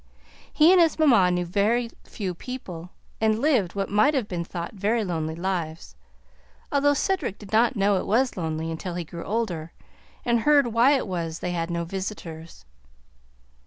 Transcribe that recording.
He and his mamma knew very few people, and lived what might have been thought very lonely lives, although Cedric did not know it was lonely until he grew older and heard why it was they had no visitors.